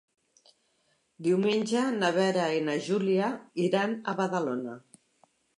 Diumenge na Vera i na Júlia iran a Badalona.